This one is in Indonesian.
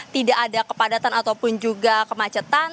tidak ada kepadatan ataupun juga kemacetan